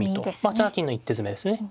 ８七金の一手詰めですね。